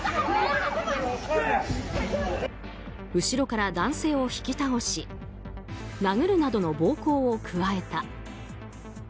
後ろから男性を引き倒し殴るなどの暴行を加えた。